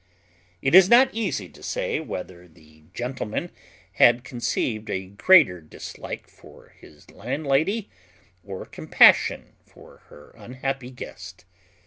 It is not easy to say whether the gentleman had conceived a greater dislike for his landlady or compassion for her unhappy guest.